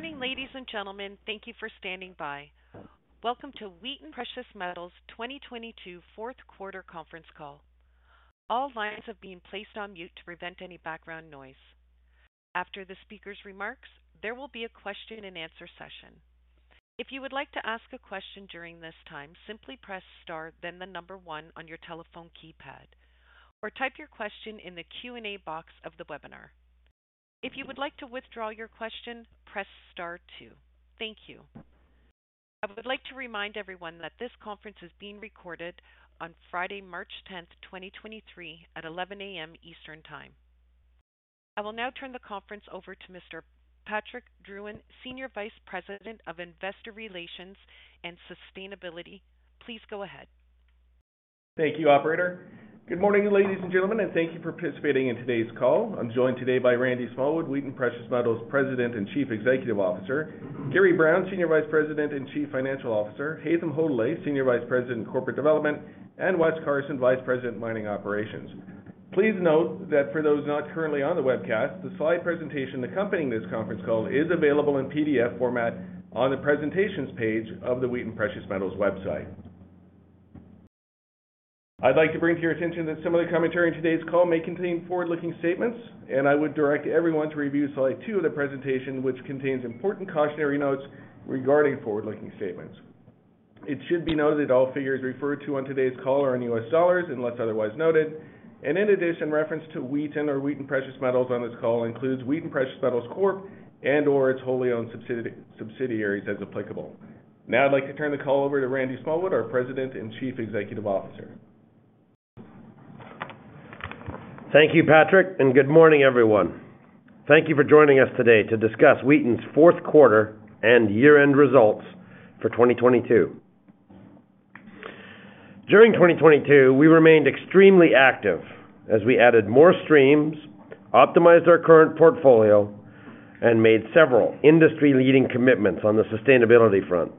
Good morning, ladies and gentlemen. Thank you for standing by. Welcome to Wheaton Precious Metals 2022 fourth quarter conference call. All lines have been placed on mute to prevent any background noise. After the speaker's remarks, there will be a question-and-answer session. If you would like to ask a question during this time, simply press star then the number 1 on your telephone keypad, or type your question in the Q&A box of the webinar. If you would like to withdraw your question, press star 2. Thank you. I would like to remind everyone that this conference is being recorded on Friday, March 10th, 2023 at 11:00 A.M. Eastern Time. I will now turn the conference over to Mr. Patrick Drouin, Senior Vice President of Investor Relations and Sustainability. Please go ahead. Thank you, operator. Good morning, ladies and gentlemen, and thank you for participating in today's call. I'm joined today by Randy Smallwood, Wheaton Precious Metals President and Chief Executive Officer; Gary Brown, Senior Vice President and Chief Financial Officer; Haytham Hodaly, Senior Vice President, Corporate Development; and Wes Carson, Vice President, Mining Operations. Please note that for those not currently on the webcast, the slide presentation accompanying this conference call is available in PDF format on the Presentations page of the Wheaton Precious Metals website. I'd like to bring to your attention that some of the commentary in today's call may contain forward-looking statements, and I would direct everyone to review slide two of the presentation, which contains important cautionary notes regarding forward-looking statements. It should be noted all figures referred to on today's call are in U.S. dollars unless otherwise noted. In addition, reference to Wheaton or Wheaton Precious Metals on this call includes Wheaton Precious Metals Corp. and/or its wholly owned subsidiaries as applicable. Now I'd like to turn the call over to Randy Smallwood, our President and Chief Executive Officer. Thank you, Patrick. Good morning, everyone. Thank you for joining us today to discuss Wheaton's fourth quarter and year-end results for 2022. During 2022, we remained extremely active as we added more streams, optimized our current portfolio, and made several industry-leading commitments on the sustainability front.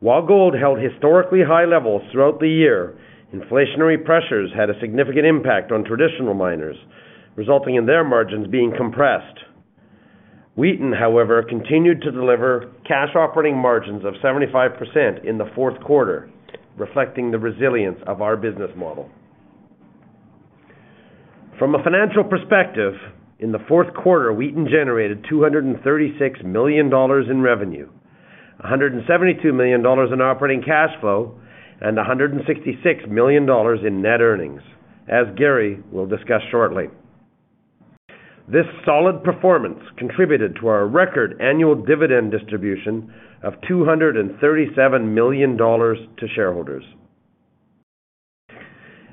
While gold held historically high levels throughout the year, inflationary pressures had a significant impact on traditional miners, resulting in their margins being compressed. Wheaton, however, continued to deliver cash operating margins of 75% in the fourth quarter, reflecting the resilience of our business model. From a financial perspective, in the fourth quarter, Wheaton generated $236 million in revenue, $172 million in operating cash flow, and $166 million in net earnings, as Gary will discuss shortly. This solid performance contributed to our record annual dividend distribution of $237 million to shareholders.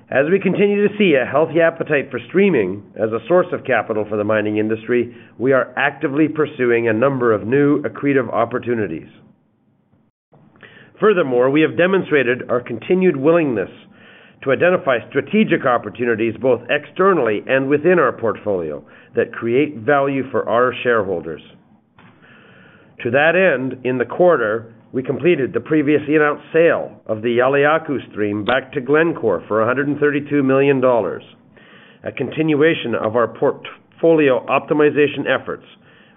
As we continue to see a healthy appetite for streaming as a source of capital for the mining industry, we are actively pursuing a number of new accretive opportunities. We have demonstrated our continued willingness to identify strategic opportunities, both externally and within our portfolio that create value for our shareholders. To that end, in the quarter, we completed the previously announced sale of the Yauliyacu stream back to Glencore for $132 million, a continuation of our portfolio optimization efforts,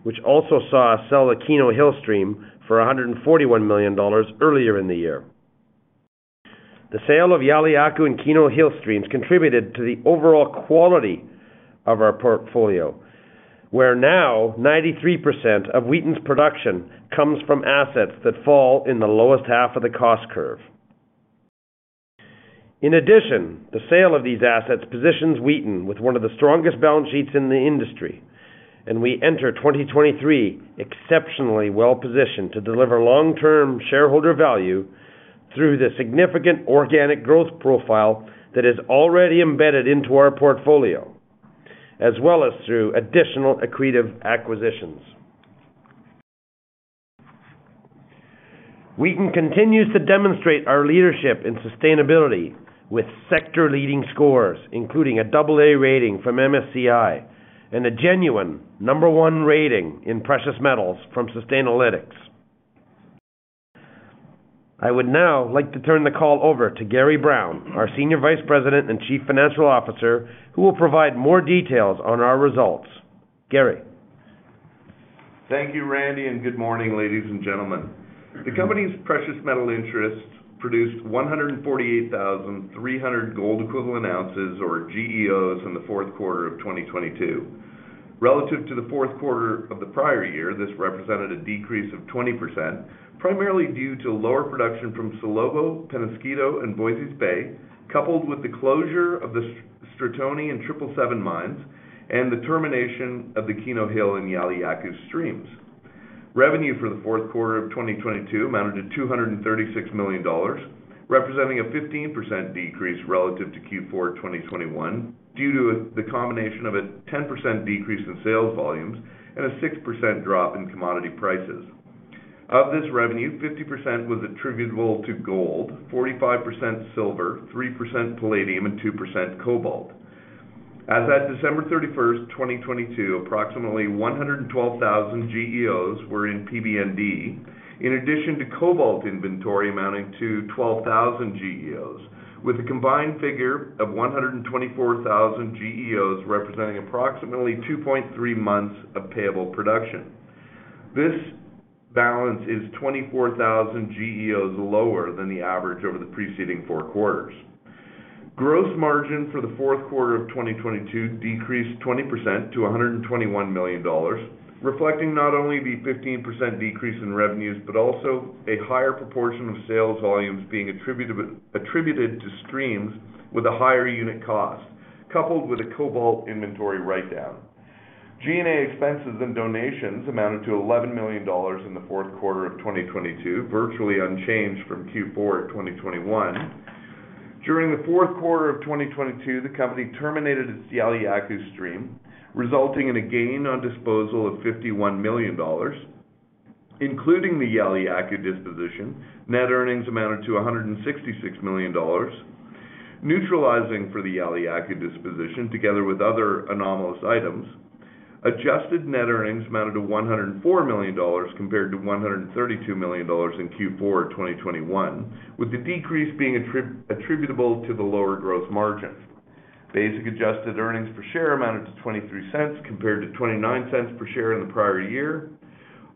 which also saw us sell the Keno Hill stream for $141 million earlier in the year. The sale of Yauliyacu and Keno Hill streams contributed to the overall quality of our portfolio, where now 93% of Wheaton's production comes from assets that fall in the lowest half of the cost curve. The sale of these assets positions Wheaton with one of the strongest balance sheets in the industry, and we enter 2023 exceptionally well positioned to deliver long-term shareholder value through the significant organic growth profile that is already embedded into our portfolio, as well as through additional accretive acquisitions. Wheaton continues to demonstrate our leadership in sustainability with sector leading scores, including an AA rating from MSCI and a genuine #1 rating in precious metals from Sustainalytics. I would now like to turn the call over to Gary Brown, our Senior Vice President and Chief Financial Officer, who will provide more details on our results. Gary. Thank you, Randy Smallwood, and good morning, ladies and gentlemen. The company's precious metal interests produced 148,300 Gold Equivalent Ounces or GEOs in the fourth quarter of 2022. Relative to the fourth quarter of the prior year, this represented a decrease of 20%, primarily due to lower production from Salobo, Peñasquito, and Voisey's Bay, coupled with the closure of the Stratoni and Triple Seven mines and the termination of the Keno Hill and Yauliyacu streams. Revenue for the fourth quarter of 2022 amounted to $236 million, representing a 15% decrease relative to Q4 2021 due to the combination of a 10% decrease in sales volumes and a 6% drop in commodity prices. Of this revenue, 50% was attributable to gold, 45% silver, 3% palladium, and 2% cobalt. As at December 31, 2022, approximately 112,000 GEOs were in PND, in addition to cobalt inventory amounting to 12,000 GEOs, with a combined figure of 124,000 GEOs representing approximately 2.3 months of payable production. This balance is 24,000 GEOs lower than the average over the preceding 4 quarters. Gross margin for the fourth quarter of 2022 decreased 20% to $121 million, reflecting not only the 15% decrease in revenues, but also a higher proportion of sales volumes being attributed to streams with a higher unit cost, coupled with a cobalt inventory writedown. G&A expenses and donations amounted to $11 million in the fourth quarter of 2022, virtually unchanged from Q4 2021. During the fourth quarter of 2022, the company terminated its Yauliyacu stream, resulting in a gain on disposal of $51 million, including the Yauliyacu disposition. Net earnings amounted to $166 million. Neutralizing for the Yauliyacu disposition together with other anomalous items, adjusted net earnings amounted to $104 million compared to $132 million in Q4 2021, with the decrease being attributable to the lower gross margin. Basic adjusted earnings per share amounted to $0.23 compared to $0.29 per share in the prior year.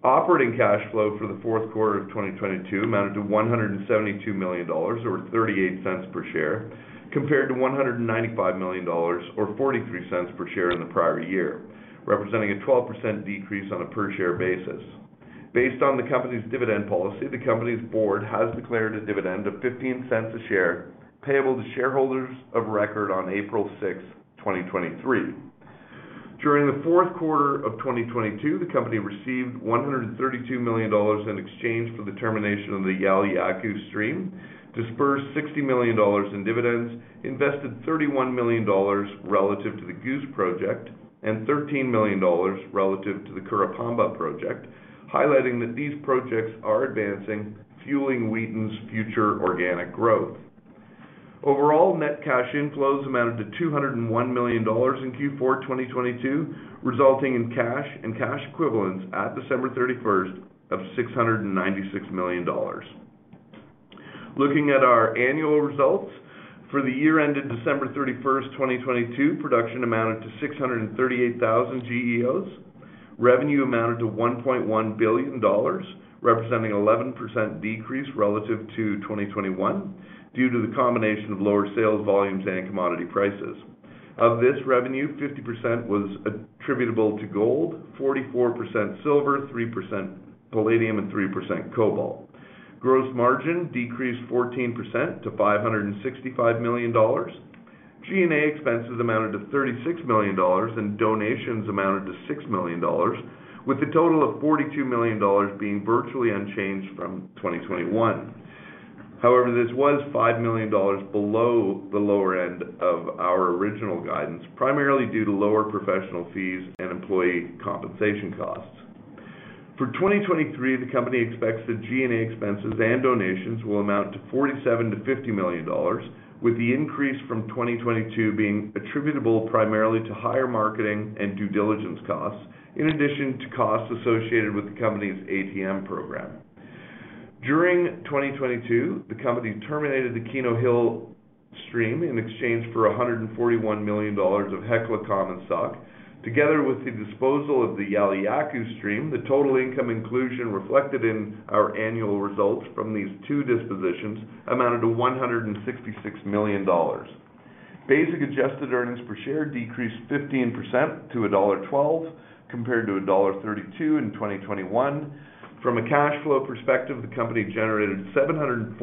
Operating cash flow for the fourth quarter of 2022 amounted to $172 million, or $0.38 per share, compared to $195 million or $0.43 per share in the prior year, representing a 12% decrease on a per share basis. Based on the company's dividend policy, the company's board has declared a dividend of $0.15 a share payable to shareholders of record on April 6, 2023. During the fourth quarter of 2022, the company received $132 million in exchange for the termination of the Yauliyacu stream, disbursed $60 million in dividends, invested $31 million relative to the Goose project and $13 million relative to the Curipamba project, highlighting that these projects are advancing, fueling Wheaton's future organic growth. Overall, net cash inflows amounted to $201 million in Q4 2022, resulting in cash and cash equivalents at December 31 of $696 million. Looking at our annual results. For the year ended December 31, 2022, production amounted to 638,000 GEOs. Revenue amounted to $1.1 billion, representing 11% decrease relative to 2021 due to the combination of lower sales volumes and commodity prices. Of this revenue, 50% was attributable to gold, 44% silver, 3% palladium, and 3% cobalt. Gross margin decreased 14% to $565 million. G&A expenses amounted to $36 million, and donations amounted to $6 million, with a total of $42 million being virtually unchanged from 2021. However, this was $5 million below the lower end of our original guidance, primarily due to lower professional fees and employee compensation costs. For 2023, the company expects the G&A expenses and donations will amount to $47 million to $50 million, with the increase from 2022 being attributable primarily to higher marketing and due diligence costs, in addition to costs associated with the company's ATM program. During 2022, the company terminated the Keno Hill stream in exchange for $141 million of Hecla common stock. With the disposal of the Yauliyacu stream, the total income inclusion reflected in our annual results from these two dispositions amounted to $166 million. Basic adjusted earnings per share decreased 15% to $1.12 compared to $1.32 in 2021. From a cash flow perspective, the company generated $743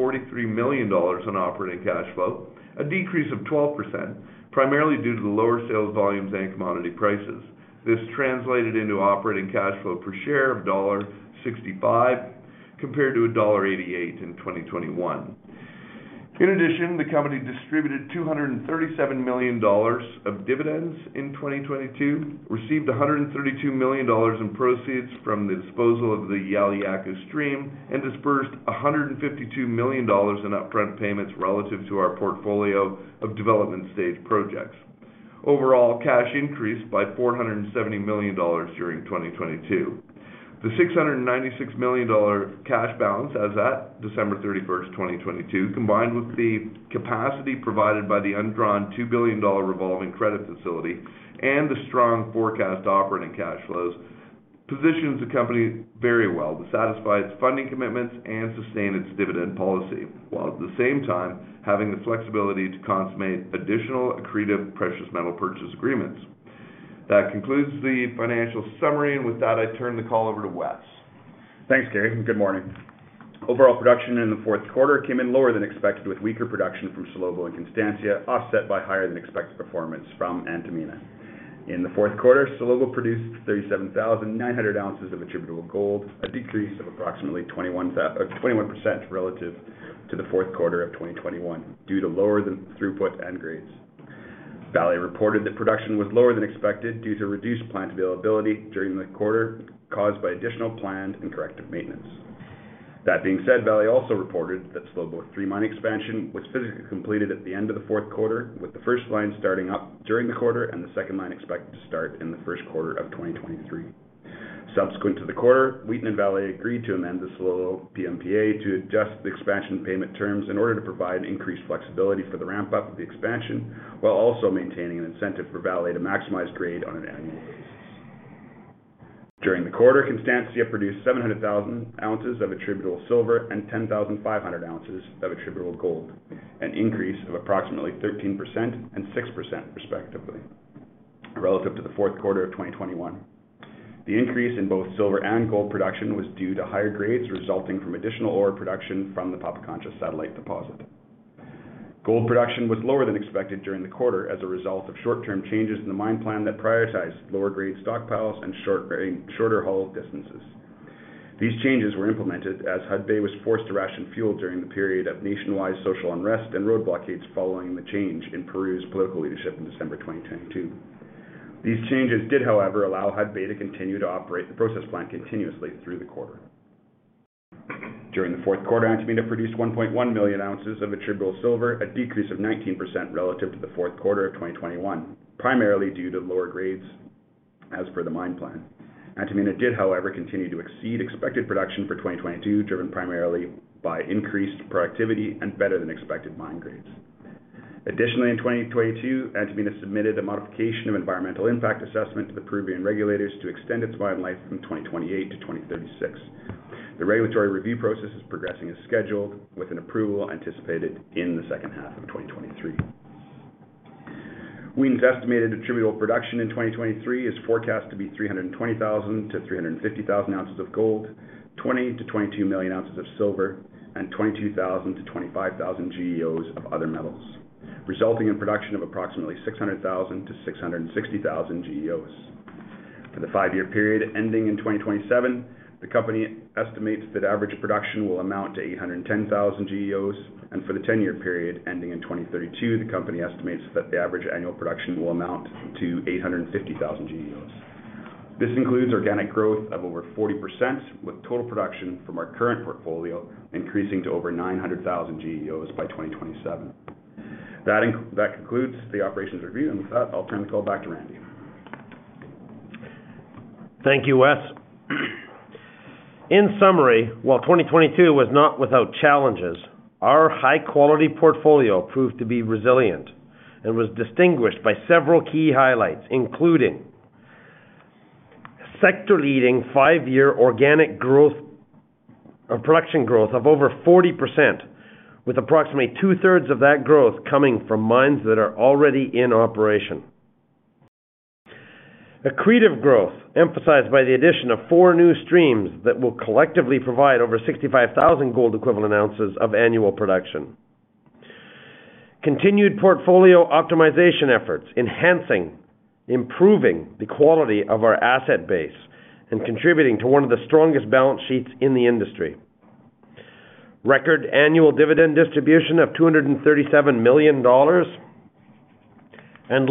million on operating cash flow, a decrease of 12%, primarily due to the lower sales volumes and commodity prices. This translated into operating cash flow per share of $1.65 compared to $1.88 in 2021. The company distributed $237 million of dividends in 2022, received $132 million in proceeds from the disposal of the Yauliyacu stream, and disbursed $152 million in upfront payments relative to our portfolio of development stage projects. Cash increased by $470 million during 2022. The $696 million cash balance as at December 31, 2022, combined with the capacity provided by the undrawn $2 billion revolving credit facility and the strong forecast operating cash flows, positions the company very well to satisfy its funding commitments and sustain its dividend policy, while at the same time having the flexibility to consummate additional accretive precious metal purchase agreements. That concludes the financial summary. With that, I turn the call over to Wes. Thanks, Gary. Good morning. Overall production in the fourth quarter came in lower than expected, with weaker production from Salobo and Constancia offset by higher than expected performance from Antamina. In the fourth quarter, Salobo produced 37,900 ounces of attributable gold, a decrease of approximately 21% relative to the fourth quarter of 2021 due to lower than throughput and grades. Vale reported that production was lower than expected due to reduced plant availability during the quarter, caused by additional planned and corrective maintenance. That being said, Vale also reported that Salobo Three mine expansion was physically completed at the end of the fourth quarter, with the first line starting up during the quarter and the second line expected to start in the first quarter of 2023. Subsequent to the quarter, Wheaton and Vale agreed to amend the Salobo PMPA to adjust the expansion payment terms in order to provide increased flexibility for the ramp-up of the expansion, while also maintaining an incentive for Vale to maximize grade on an annual basis. During the quarter, Constancia produced 700,000 ounces of attributable silver and 10,500 ounces of attributable gold, an increase of approximately 13% and 6% respectively relative to the fourth quarter of 2021. The increase in both silver and gold production was due to higher grades resulting from additional ore production from the Pampacancha satellite deposit. Gold production was lower than expected during the quarter as a result of short-term changes in the mine plan that prioritized lower grade stockpiles and shorter haul distances. These changes were implemented as Hudbay was forced to ration fuel during the period of nationwide social unrest and road blockades following the change in Peru's political leadership in December 2022. These changes did, however, allow Hudbay to continue to operate the process plant continuously through the quarter. During the fourth quarter, Antamina produced 1.1 million ounces of attributable silver, a decrease of 19% relative to the fourth quarter of 2021, primarily due to lower grades as per the mine plan. Antamina did, however, continue to exceed expected production for 2022, driven primarily by increased productivity and better than expected mine grades. Additionally, in 2022, Antamina submitted a modification of environmental impact assessment to the Peruvian regulators to extend its mine life from 2028 to 2036. The regulatory review process is progressing as scheduled, with an approval anticipated in the second half of 2023. Wheaton's estimated attributable production in 2023 is forecast to be 320,000 to 350,000 ounces of gold, 20 million to 22 million ounces of silver, and 22,000 to 25,000 GEOs of other metals, resulting in production of approximately 600,000 to 660,000 GEOs. For the five-year period ending in 2027, the company estimates that average production will amount to 810,000 GEOs. For the 10-year period ending in 2032, the company estimates that the average annual production will amount to 850,000 GEOs. This includes organic growth of over 40%, with total production from our current portfolio increasing to over 900,000 GEOs by 2027. That concludes the operations review, and with that, I'll turn the call back to Randy. Thank you, Wes. In summary, while 2022 was not without challenges, our high-quality portfolio proved to be resilient and was distinguished by several key highlights, including sector-leading 5-year organic production growth of over 40%, with approximately two-thirds of that growth coming from mines that are already in operation. Accretive growth emphasized by the addition of 4 new streams that will collectively provide over 65,000 Gold Equivalent Ounces of annual production. Continued portfolio optimization efforts, enhancing, improving the quality of our asset base and contributing to one of the strongest balance sheets in the industry. Record annual dividend distribution of $237 million.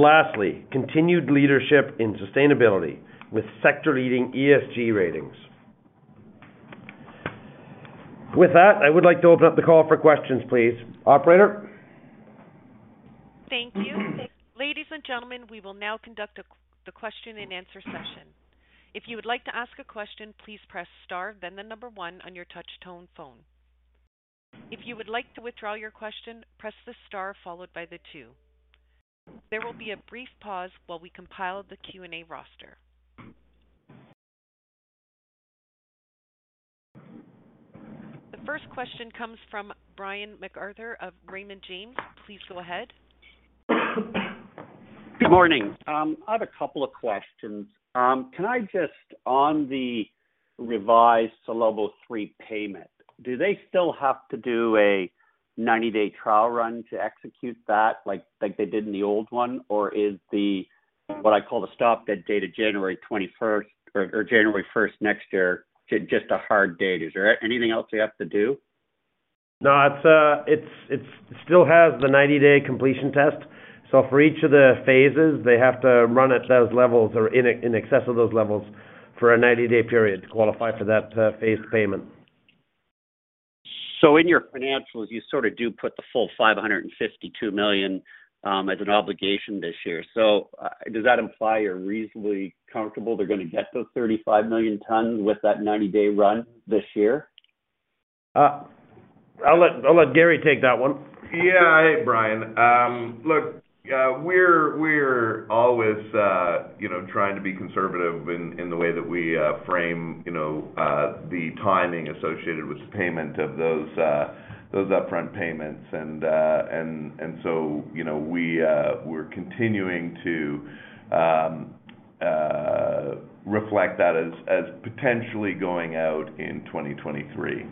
Lastly, continued leadership in sustainability with sector-leading ESG ratings. With that, I would like to open up the call for questions, please. Operator? Thank you. Ladies and gentlemen, we will now conduct the question-and-answer session. If you would like to ask a question, please press star then the number 1 on your touch tone phone. If you would like to withdraw your question, press the star followed by the 2. There will be a brief pause while we compile the Q&A roster. The first question comes from Brian MacArthur of Raymond James. Please go ahead. Good morning. I have a couple of questions. On the revised Salobo 3 payment, do they still have to do a 90-day trial run to execute that like they did in the old one? Is the, what I call the stop dead date of January 21st or January 1st next year just a hard date? Is there anything else they have to do? No. It's still has the 90-day completion test. For each of the phases, they have to run at those levels or in excess of those levels for a 90-day period to qualify for that, phase payment. In your financials, you sort of do put the full $552 million as an obligation this year. Does that imply you're reasonably comfortable they're gonna get those 35 million tons with that 90-day run this year? I'll let Gary take that one. Hey, Brian. Look, we're always, you know, trying to be conservative in the way that we, frame, you know, the timing associated with the payment of those upfront payments. You know, we're continuing to, reflect that as potentially going out in 2023.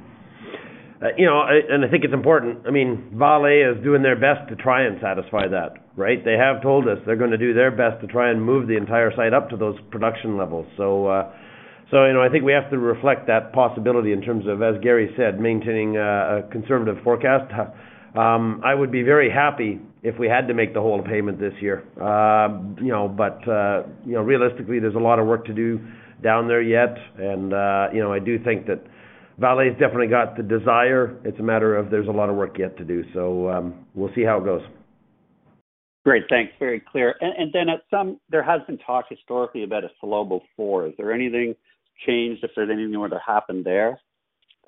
You know, and I think it's important. I mean, Vale is doing their best to try and satisfy that, right? They have told us they're gonna do their best to try and move the entire site up to those production levels. You know, I think we have to reflect that possibility in terms of, as Gary said, maintaining a conservative forecast. I would be very happy if we had to make the whole payment this year. You know, but, you know, realistically, there's a lot of work to do down there yet and, you know, I do think that Vale's definitely got the desire. It's a matter of there's a lot of work yet to do. We'll see how it goes. Great. Thanks. Very clear. There has been talk historically about a Salobo 4. Is there anything changed if there's anywhere to happen there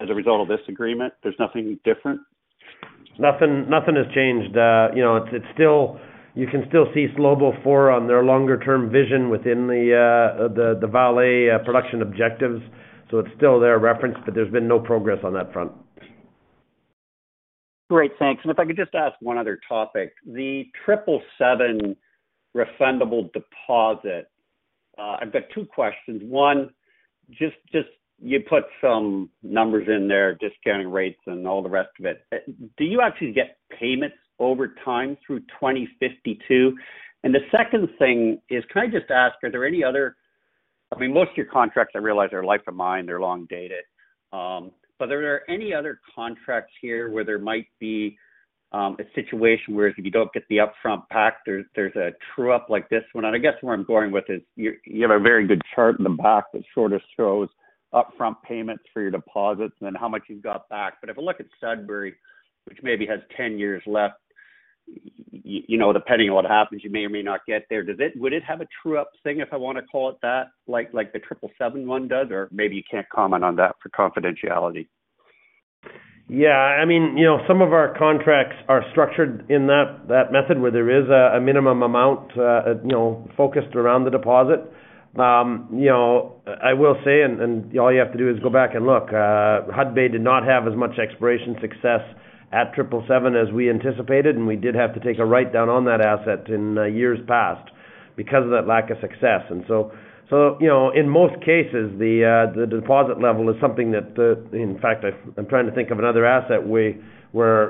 as a result of this agreement? There's nothing different? Nothing, nothing has changed. you know, it's still You can still see Salobo 4 on their longer-term vision within the Vale, production objectives. It's still their reference, but there's been no progress on that front. Great. Thanks. If I could just ask one other topic, the 777 refundable deposit. I've got two questions. One, just you put some numbers in there, discounting rates and all the rest of it. Do you actually get payments over time through 2052? The second thing is, can I just ask, are there any other... I mean, most of your contracts I realize are life of mine, they're long dated. But are there any other contracts here where there might be a situation whereas if you don't get the upfront pack, there's a true up like this one? I guess where I'm going with this, you have a very good chart in the back that sort of shows upfront payments for your deposits and how much you've got back. If I look at Sudbury, which maybe has 10 years left, you know, depending on what happens, you may or may not get there. Would it have a true up thing, if I wanna call it that, like the triple seven one does? Maybe you can't comment on that for confidentiality. Yeah, I mean, you know, some of our contracts are structured in that method where there is a minimum amount, you know, focused around the deposit. You know, I will say, all you have to do is go back and look, Hudbay did not have as much exploration success at triple seven as we anticipated, and we did have to take a write down on that asset in years past because of that lack of success. You know, in most cases the deposit level is something that, in fact, I'm trying to think of another asset where,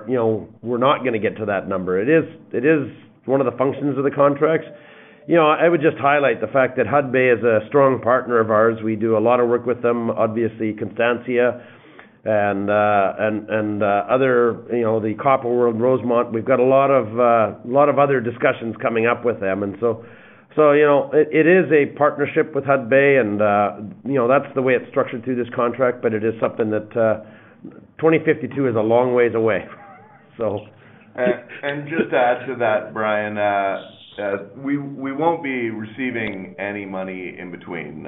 you know, we're not gonna get to that number. It is one of the functions of the contracts. You know, I would just highlight the fact that Hudbay is a strong partner of ours. We do a lot of work with them. Obviously Constancia and other, you know, the Copper World, Rosemont. We've got a lot of other discussions coming up with them. You know, it is a partnership with Hudbay and, you know, that's the way it's structured through this contract, but it is something that 2052 is a long ways away. Just to add to that, Brian, we won't be receiving any money in between.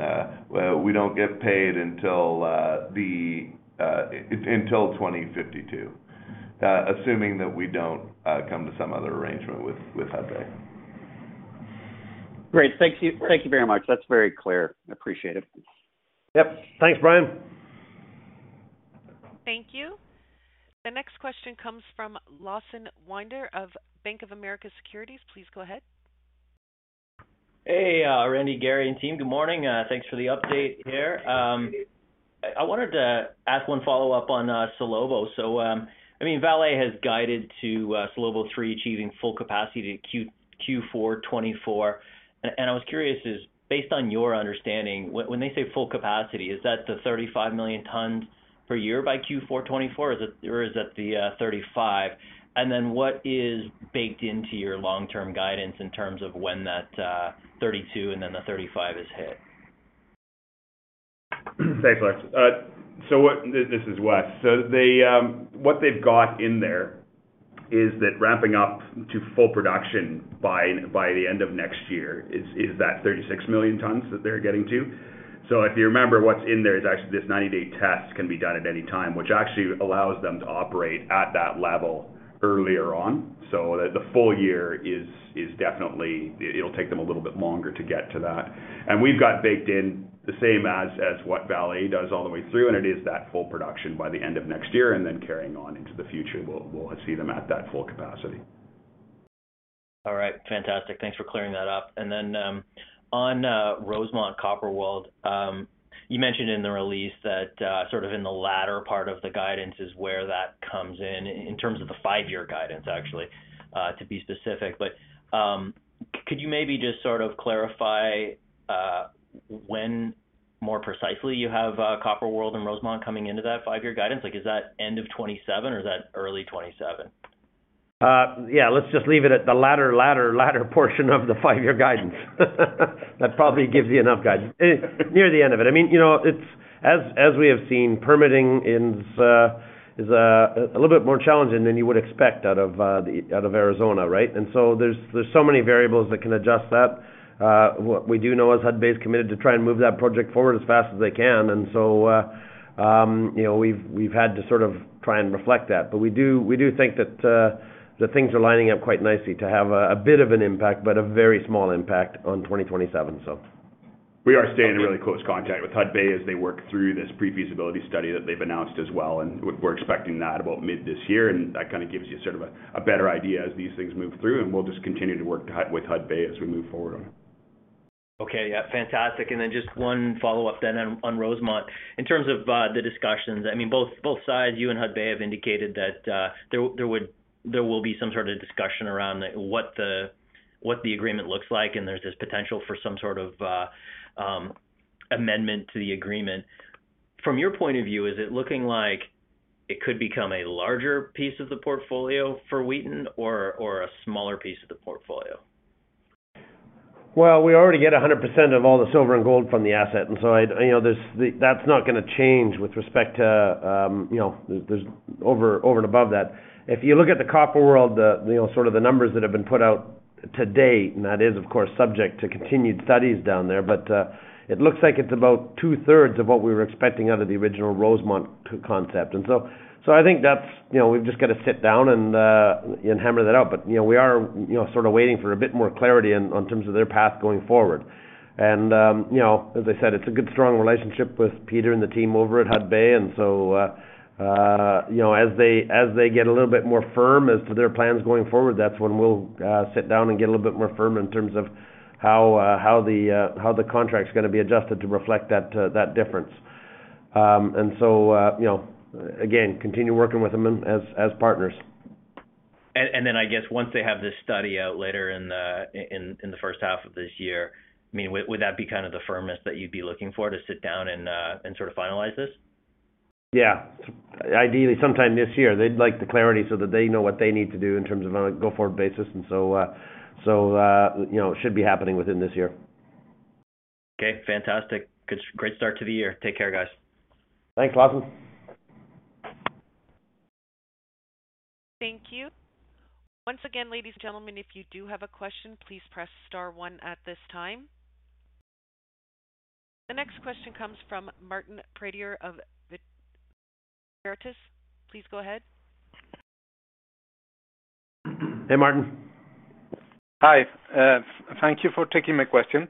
We don't get paid until until 2052, assuming that we don't come to some other arrangement with Hudbay. Great. Thank you. Thank you very much. That's very clear. I appreciate it. Yep. Thanks, Brian. Thank you. The next question comes from Lawson Winder of Bank of America Securities. Please go ahead. Hey, Randy, Gary, and team. Good morning. Thanks for the update here. I wanted to ask one follow-up on Salobo. Vale has guided to Salobo 3 achieving full capacity Q4 2024. I was curious, based on your understanding, when they say full capacity, is that the 35 million tons per year by Q4 2024 or is that the 35? What is baked into your long-term guidance in terms of when that 32 and then the 35 is hit? Thanks, Alex. This is Wes. They, what they've got in there is that ramping up to full production by the end of next year is that 36 million tons that they're getting to. If you remember what's in there is actually this 90-day test can be done at any time, which actually allows them to operate at that level earlier on. The full year is definitely... It'll take them a little bit longer to get to that. We've got baked in the same as what Vale does all the way through, and it is that full production by the end of next year, and then carrying on into the future, we'll see them at that full capacity. All right. Fantastic. Thanks for clearing that up. Then on Rosemont Copper World, you mentioned in the release that sort of in the latter part of the guidance is where that comes in terms of the 5-year guidance actually, to be specific. Could you maybe just sort of clarify when more precisely you have Copper World and Rosemont coming into that 5-year guidance? Like, is that end of 2027 or is that early 2027? Yeah, let's just leave it at the latter portion of the five-year guidance. That probably gives you enough guidance. Near the end of it. I mean, you know, it's. As we have seen, permitting is a little bit more challenging than you would expect out of Arizona, right? There's so many variables that can adjust that. What we do know is Hudbay is committed to try and move that project forward as fast as they can. You know, we've had to sort of try and reflect that. We do think that things are lining up quite nicely to have a bit of an impact, but a very small impact on 2027. We are staying in really close contact with Hudbay as they work through this pre-feasibility study that they've announced as well, and we're expecting that about mid this year. That kind of gives you sort of a better idea as these things move through, and we'll just continue to work with Hudbay as we move forward on it. Okay. Yeah, fantastic. Just one follow-up then on Rosemont. In terms of the discussions, I mean, both sides, you and Hudbay have indicated that there will be some sort of discussion around what the, what the agreement looks like, and there's this potential for some sort of amendment to the agreement. From your point of view, is it looking like it could become a larger piece of the portfolio for Wheaton or a smaller piece of the portfolio? We already get 100% of all the silver and gold from the asset. I, you know, that's not gonna change with respect to, you know, there's over and above that. If you look at the copper world, the, you know, sort of the numbers that have been put out to date, and that is of course subject to continued studies down there, but it looks like it's about two-thirds of what we were expecting out of the original Rosemont concept. I think that's, you know, we've just got to sit down and hammer that out. You know, we are, you know, sort of waiting for a bit more clarity in, on terms of their path going forward. You know, as I said, it's a good strong relationship with Peter and the team over at Hudbay. You know, as they get a little bit more firm as to their plans going forward, that's when we'll sit down and get a little bit more firm in terms of how the contract's going to be adjusted to reflect that difference. You know, again, continue working with them as partners. Then I guess once they have this study out later in the first half of this year, I mean, would that be kind of the firmness that you'd be looking for to sit down and sort of finalize this? Yeah. Ideally sometime this year. They'd like the clarity so that they know what they need to do in terms of a go forward basis. So, you know, it should be happening within this year. Okay, fantastic. Good, great start to the year. Take care, guys. Thanks, Lawson. Thank you. Once again, ladies and gentlemen, if you do have a question, please press star one at this time. The next question comes from Martin Pradier of the Veritas. Please go ahead. Hey, Martin. Hi. Thank you for taking my question.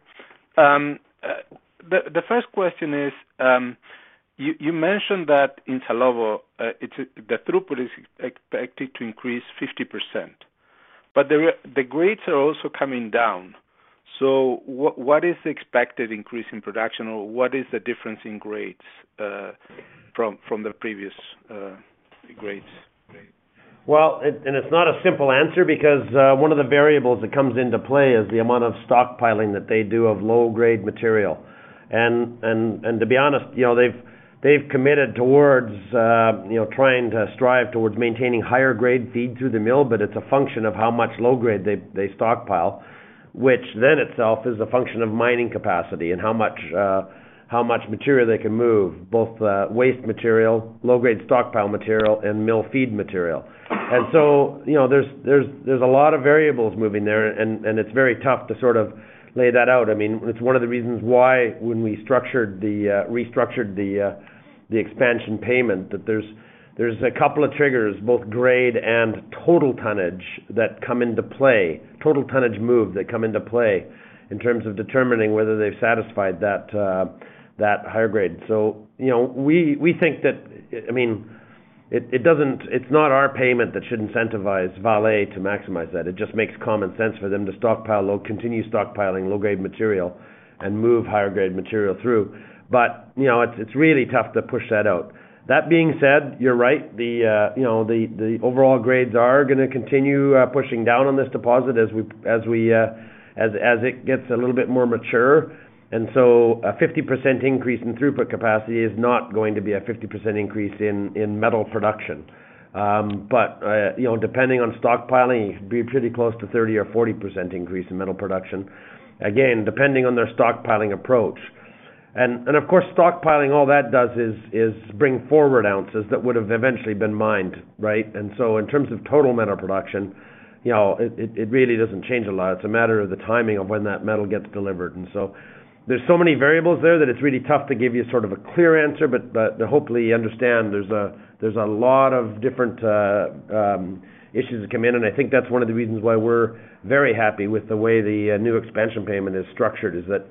The first question is, you mentioned that in Salobo, the throughput is expected to increase 50%, but the grades are also coming down. What is the expected increase in production, or what is the difference in grades from the previous grades? Well, it's not a simple answer because one of the variables that comes into play is the amount of stockpiling that they do of low-grade material. To be honest, you know, they've committed towards, you know, trying to strive towards maintaining higher grade feed through the mill, but it's a function of how much low grade they stockpile, which then itself is a function of mining capacity and how much material they can move, both, waste material, low-grade stockpile material and mill feed material. You know, there's a lot of variables moving there and it's very tough to sort of lay that out. I mean, it's one of the reasons why when we structured the, restructured the expansion payment, that there's a couple of triggers, both grade and total tonnage that come into play, total tonnage move that come into play in terms of determining whether they've satisfied that higher grade. You know, we think that, I mean, it's not our payment that should incentivize Vale to maximize that. It just makes common sense for them to stockpile low, continue stockpiling low-grade material and move higher grade material through. You know, it's really tough to push that out. That being said, you're right. The, you know, the overall grades are gonna continue pushing down on this deposit as we, as it gets a little bit more mature. A 50% increase in throughput capacity is not going to be a 50% increase in metal production. You know, depending on stockpiling, it should be pretty close to 30% to 40% increase in metal production. Again, depending on their stockpiling approach. Of course, stockpiling, all that does is bring forward ounces that would've eventually been mined, right? In terms of total metal production, you know, it really doesn't change a lot. It's a matter of the timing of when that metal gets delivered. There's so many variables there that it's really tough to give you sort of a clear answer. Hopefully you understand there's a lot of different issues that come in, and I think that's one of the reasons why we're very happy with the way the new expansion payment is structured, is that,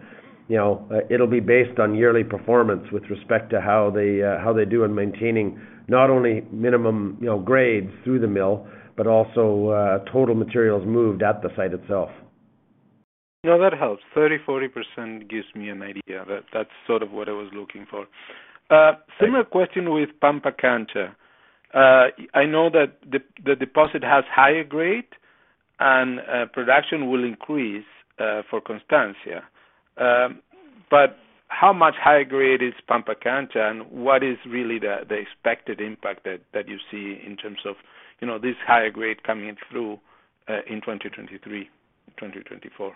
you know, it'll be based on yearly performance with respect to how they do in maintaining not only minimum, you know, grades through the mill, but also total materials moved at the site itself. No, that helps. 30% to 40% gives me an idea. That's sort of what I was looking for. Similar question with Pampacancha. I know that the deposit has higher grade and production will increase for Constancia. But how much higher grade is Pampacancha, and what is really the expected impact that you see in terms of, you know, this higher grade coming through in 2023, 2024?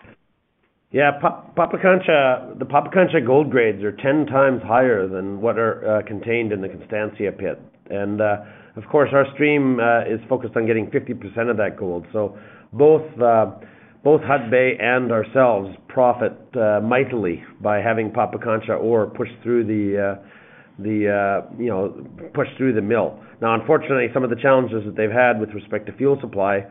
Yeah, Pampacancha, the Pampacancha gold grades are 10 times higher than what are contained in the Constancia pit. Of course our stream is focused on getting 50% of that gold. Both Hudbay and ourselves profit mightily by having Pampacancha ore pushed through the, you know, pushed through the mill. Unfortunately, some of the challenges that they've had with respect to fuel supply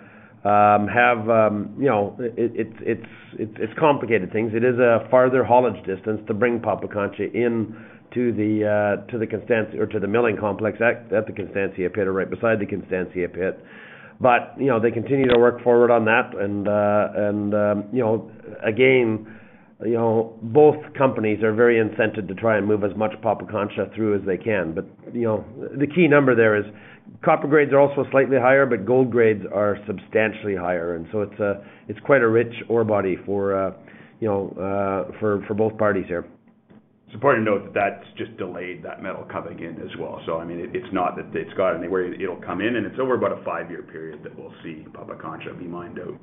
have, you know, it's complicated things. It is a farther haulage distance to bring Pampacancha in to the Constancia or to the milling complex at the Constancia pit or right beside the Constancia pit. You know, they continue to work forward on that. You know, again, you know, both companies are very incented to try and move as much Pampacancha through as they can. You know, the key number there is copper grades are also slightly higher, but gold grades are substantially higher. It's a, it's quite a rich ore body for both parties here. It's important to note that that's just delayed that metal coming in as well. I mean, it's not that it's gone anywhere. It'll come in, and it's over about a 5-year period that we'll see Pampacancha be mined out.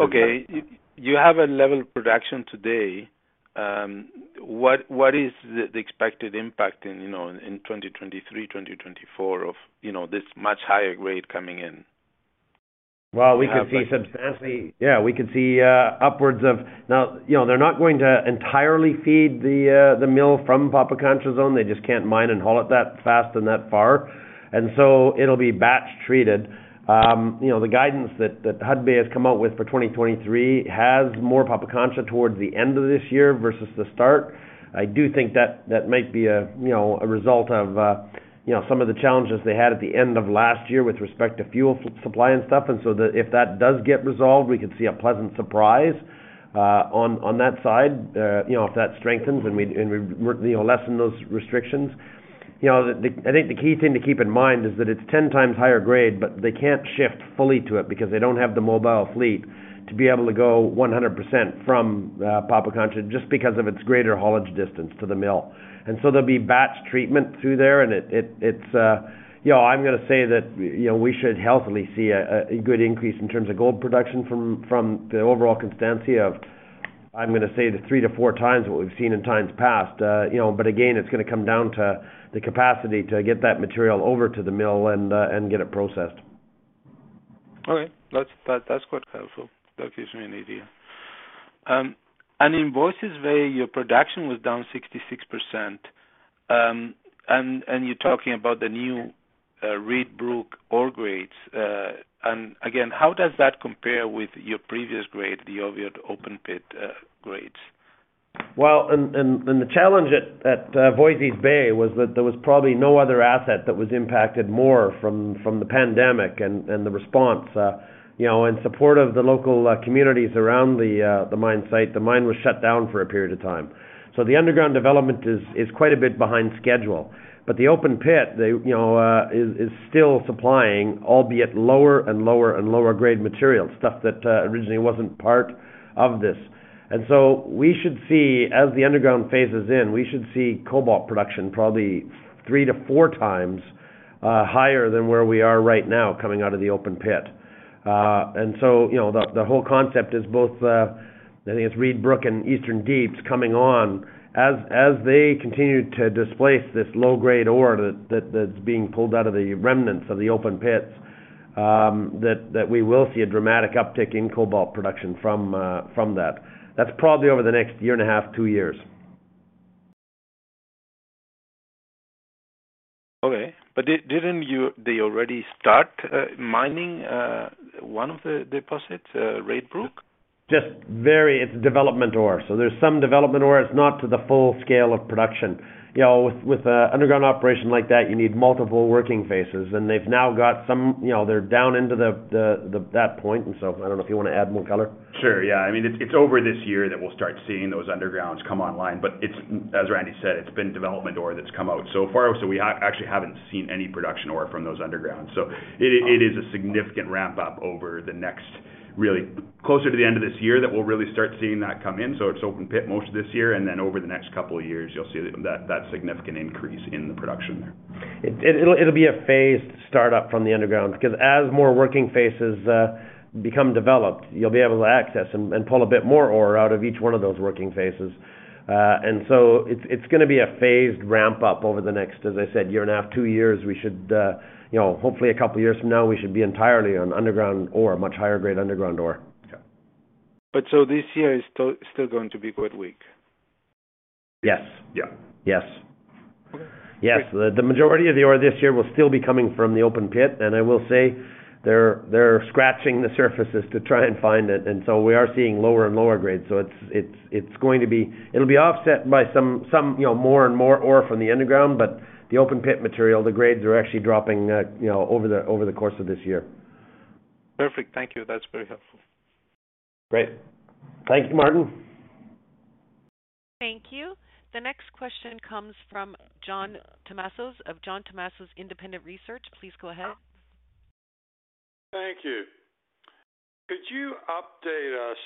Okay, you have a level of production today. What is the expected impact in, you know, in 2023, 2024 of, you know, this much higher grade coming in? Well, we could see substantially. Yeah, we could see upwards of. Now, you know, they're not going to entirely feed the mill from Pampacancha zone. They just can't mine and haul it that fast and that far. It'll be batch treated. You know, the guidance that Hudbay has come out with for 2023 has more Pampacancha towards the end of this year versus the start. I do think that that might be a, you know, a result of, you know, some of the challenges they had at the end of last year with respect to fuel supply and stuff. If that does get resolved, we could see a pleasant surprise on that side. You know, if that strengthens and we, and we, you know, lessen those restrictions. You know, the. I think the key thing to keep in mind is that it's 10 times higher grade, but they can't shift fully to it because they don't have the mobile fleet to be able to go 100% from Pampacancha just because of its greater haulage distance to the mill. There'll be batch treatment through there. It's, you know, I'm gonna say that, you know, we should healthily see a good increase in terms of gold production from the overall Constancia of, I'm gonna say, the 3 to 4 times what we've seen in times past. You know, again, it's gonna come down to the capacity to get that material over to the mill and get it processed. Okay. That's quite helpful. That gives me an idea. In Voisey's Bay, your production was down 66%. You're talking about the new Reid Brook ore grades. Again, how does that compare with your previous grade, the old open pit grades? The challenge at Voisey's Bay was that there was probably no other asset that was impacted more from the pandemic and the response. You know, in support of the local communities around the mine site, the mine was shut down for a period of time. The underground development is quite a bit behind schedule. The open pit, they, you know, is still supplying, albeit lower and lower and lower grade material, stuff that originally wasn't part of this. We should see, as the underground phases in, we should see cobalt production probably three to four times higher than where we are right now coming out of the open pit. You know, the whole concept is both, I think it's Reid Brook and Eastern Deeps coming on. As they continue to displace this low-grade ore that's being pulled out of the remnants of the open pits, that we will see a dramatic uptick in cobalt production from that. That's probably over the next year and a half, two years. Okay. Didn't they already start mining one of the deposits, Reid Brook? It's development ore. There's some development ore. It's not to the full scale of production. You know, with a underground operation like that, you need multiple working phases, they've now got some, you know, they're down into the that point. I don't know if you wanna add more color. Sure, yeah. I mean, it's over this year that we'll start seeing those undergrounds come online. It's, as Randy said, it's been development ore that's come out so far, so we actually haven't seen any production ore from those undergrounds. It is a significant ramp up over the next really closer to the end of this year that we'll really start seeing that come in. It's open pit most of this year, over the next couple of years, you'll see that significant increase in the production there. It'll be a phased startup from the underground, because as more working phases become developed, you'll be able to access and pull a bit more ore out of each one of those working phases. It's gonna be a phased ramp up over the next, as I said, 1.5 to 2 years. We should, you know, hopefully a couple of years from now, we should be entirely on underground ore, much higher grade underground ore. Okay. This year is still going to be quite weak. Yes. Yeah. Yes. Yes. The majority of the ore this year will still be coming from the open pit. I will say they're scratching the surfaces to try and find it. We are seeing lower and lower grades. It'll be offset by some, you know, more and more ore from the underground. The open pit material, the grades are actually dropping, you know, over the course of this year. Perfect. Thank you. That's very helpful. Great. Thank you, Martin. Thank you. The next question comes from John Tumazos of John Tumazos Very Independent Research, LLC. Please go ahead. Thank you. Could you update us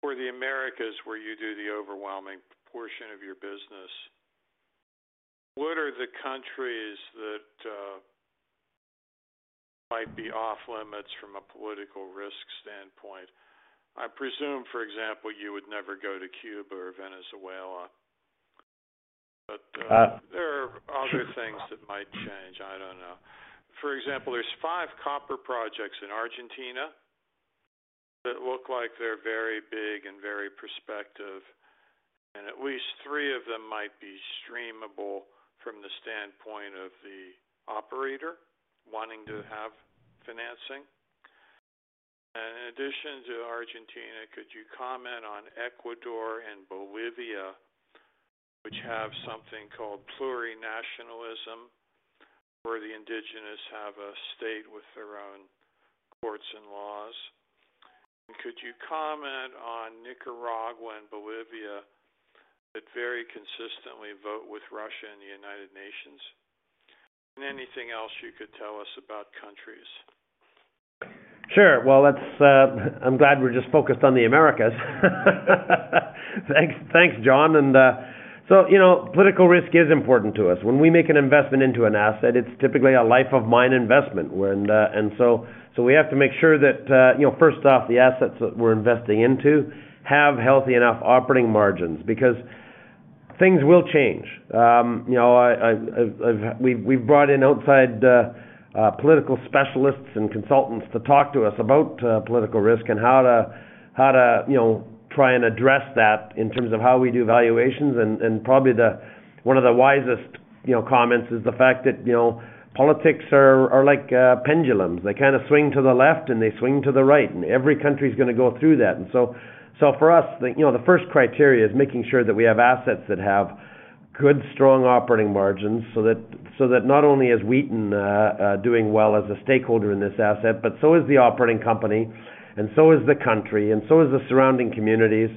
for the Americas, where you do the overwhelming portion of your business, what are the countries that might be off-limits from a political risk standpoint? I presume, for example, you would never go to Cuba or Venezuela. There are other things that might change. I don't know. For example, there's 5 copper projects in Argentina that look like they're very big and very prospective, and at least 3 of them might be streamable from the standpoint of the operator wanting to have financing. In addition to Argentina, could you comment on Ecuador and Bolivia, which have something called plurinationalism, where the indigenous have a state with their own courts and laws? Could you comment on Nicaragua and Bolivia that very consistently vote with Russia in the United Nations? Anything else you could tell us about countries? Sure. Well, that's, I'm glad we're just focused on the Americas. Thanks, thanks, John. You know, political risk is important to us. When we make an investment into an asset, it's typically a life of mine investment when. We have to make sure that, you know, first off, the assets that we're investing into have healthy enough operating margins because things will change. You know, We've brought in outside political specialists and consultants to talk to us about political risk and how to, you know, try and address that in terms of how we do valuations. Probably one of the wisest, you know, comments is the fact that, you know, politics are like pendulums. They kind of swing to the left and they swing to the right, every country is gonna go through that. So for us, you know, the first criteria is making sure that we have assets that have good, strong operating margins, so that not only is Wheaton doing well as a stakeholder in this asset, but so is the operating company, and so is the country, and so is the surrounding communities.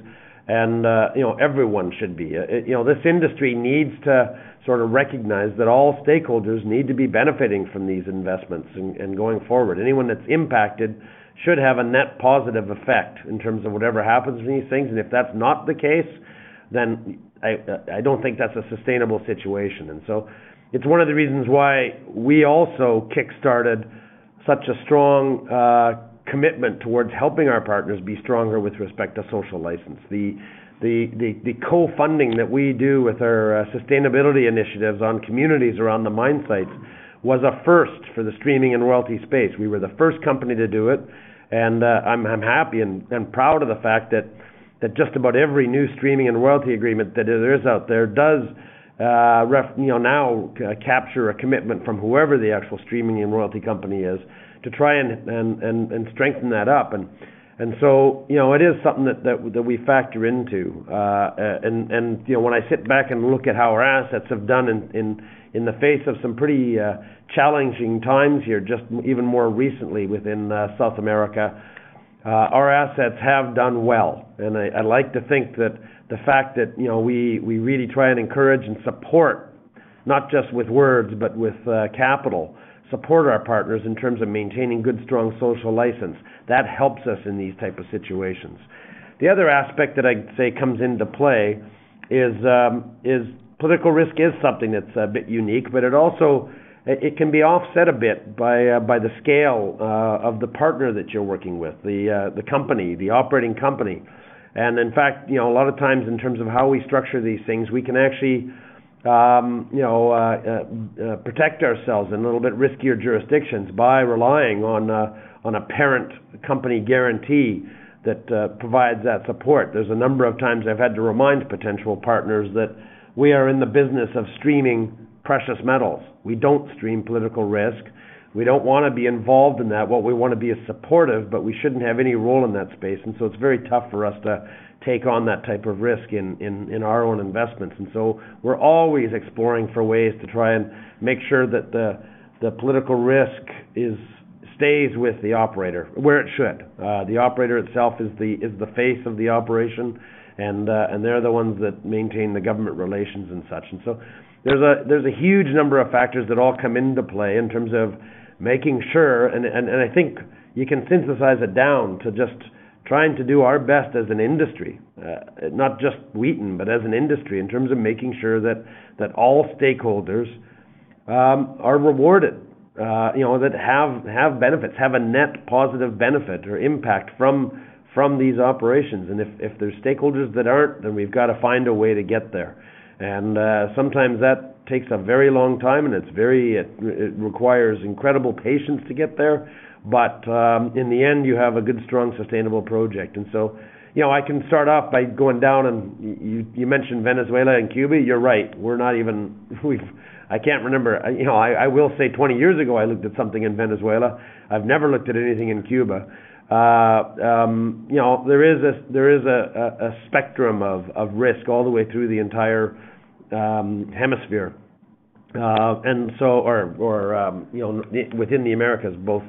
You know, everyone should be. You know, this industry needs to sort of recognize that all stakeholders need to be benefiting from these investments and going forward. Anyone that's impacted should have a net positive effect in terms of whatever happens with these things. If that's not the case, then I don't think that's a sustainable situation. It's one of the reasons why we also kickstarted such a strong commitment towards helping our partners be stronger with respect to social license. The co-funding that we do with our sustainability initiatives on communities around the mine sites was a first for the streaming and royalty space. We were the first company to do it, and I'm happy and proud of the fact that just about every new streaming and royalty agreement that there is out there does, you know, now capture a commitment from whoever the actual streaming and royalty company is to try and strengthen that up. You know, it is something that we factor into. You know, when I sit back and look at how our assets have done in the face of some pretty challenging times here, just even more recently within South America, our assets have done well. I like to think that the fact that, you know, we really try and encourage and support, not just with words, but with capital, support our partners in terms of maintaining good, strong social license. That helps us in these type of situations. The other aspect that I'd say comes into play is political risk is something that's a bit unique, but it also. It can be offset a bit by the scale of the partner that you're working with, the company, the operating company. In fact, you know, a lot of times in terms of how we structure these things, we can actually, you know, protect ourselves in a little bit riskier jurisdictions by relying on a parent company guarantee that provides that support. There's a number of times I've had to remind potential partners that we are in the business of streaming precious metals. We don't stream political risk. We don't wanna be involved in that. What we wanna be is supportive, but we shouldn't have any role in that space. It's very tough for us to take on that type of risk in our own investments. We're always exploring for ways to try and make sure that the political risk stays with the operator where it should. The operator itself is the face of the operation, and they're the ones that maintain the government relations and such. There's a huge number of factors that all come into play in terms of making sure. I think you can synthesize it down to just trying to do our best as an industry. Not just Wheaton, but as an industry in terms of making sure that all stakeholders are rewarded, you know, that have benefits, have a net positive benefit or impact from these operations. If there's stakeholders that aren't, then we've gotta find a way to get there. Sometimes that takes a very long time, and it's very, it requires incredible patience to get there. In the end, you have a good, strong, sustainable project. You know, I can start off by going down and you mentioned Venezuela and Cuba. You're right. We're not even. I can't remember. You know, I will say 20 years ago, I looked at something in Venezuela. I've never looked at anything in Cuba. You know, there is a spectrum of risk all the way through the entire hemisphere. Or, you know, within the Americas both.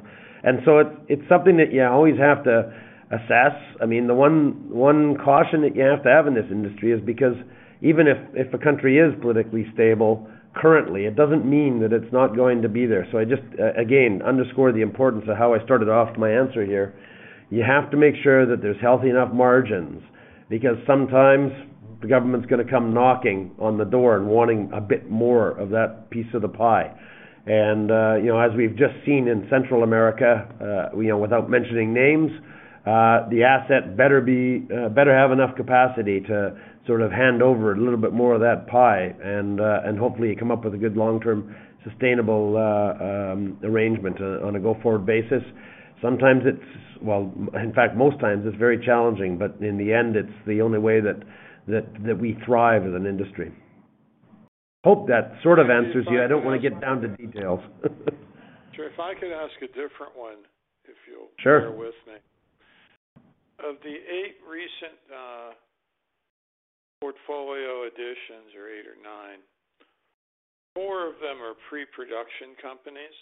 It's something that you always have to assess. I mean, the one caution that you have to have in this industry is because even if a country is politically stable currently, it doesn't mean that it's not going to be there. I just underscore the importance of how I started off my answer here. You have to make sure that there's healthy enough margins, because sometimes the government's gonna come knocking on the door and wanting a bit more of that piece of the pie. you know, as we've just seen in Central America, you know, without mentioning names, the asset better be, better have enough capacity to sort of hand over a little bit more of that pie and hopefully come up with a good long-term sustainable arrangement on a go-forward basis. Sometimes it's. Well, in fact, most times it's very challenging, but in the end, it's the only way that we thrive as an industry. Hope that sort of answers you. I don't wanna get down to details. Sure. If I could ask a different one. Sure. Bear with me. Of the 8 recent portfolio additions, or 8 or 9, 4 of them are pre-production companies.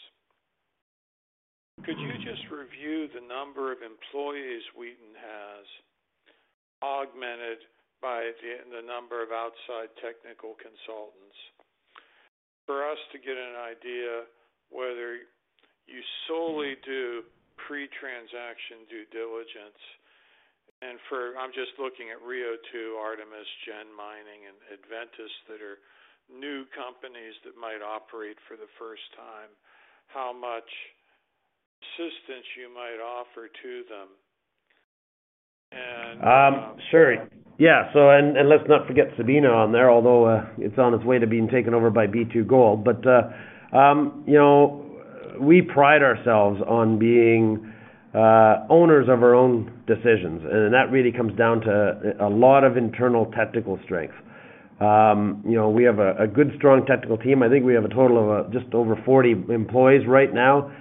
Could you just review the number of employees Wheaton has, augmented by the number of outside technical consultants? For us to get an idea whether you solely do pre-transaction due diligence and for. I'm just looking at Rio2, Artemis, Gen Mining and Adventus that are new companies that might operate for the first time, how much assistance you might offer to them and. Sure. Yeah. Let's not forget Sabina on there, although it's on its way to being taken over by B2Gold. You know, we pride ourselves on being owners of our own decisions, and that really comes down to a lot of internal technical strength. You know, we have a good, strong technical team. I think we have a total of just over 40 employees right now.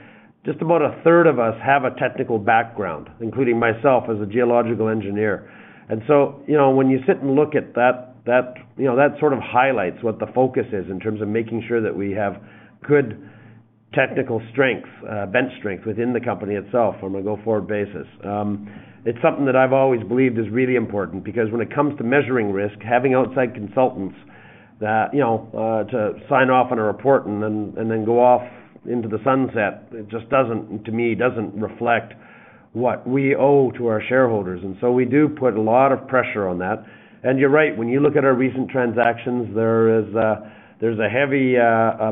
Just about a third of us have a technical background, including myself as a geological engineer. You know, when you sit and look at that, you know, that sort of highlights what the focus is in terms of making sure that we have good technical strength, bench strength within the company itself on a go-forward basis. It's something that I've always believed is really important because when it comes to measuring risk, having outside consultants that, you know, to sign off on a report and then go off into the sunset, it just doesn't, to me, doesn't reflect what we owe to our shareholders. We do put a lot of pressure on that. You're right, when you look at our recent transactions, there's a heavy